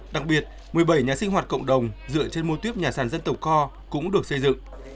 đặc biệt một mươi bảy nhà sinh hoạt cộng đồng dựa trên mô tuyết nhà sàn dân tộc co cũng được xây dựng